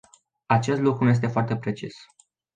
Acest lucru nu este foarte precis.